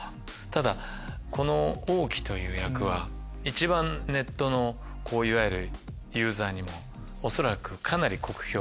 ただこの王騎という役は一番ネットのいわゆるユーザーにも恐らくかなり酷評される。